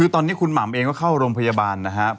คือตอนนี้คุณหม่ำเองก็เข้าโรงพยาบาลนะครับ